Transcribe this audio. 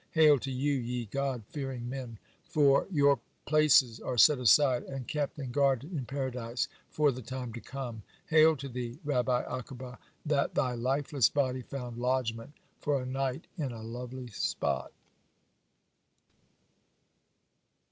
Hail to you, ye God fearing men, for your places are set aside, and kept, and guarded, in Paradise, for the time to come. Hail to thee, Rabbi Akiba, that thy lifeless body found lodgment for a night in a lovely spot."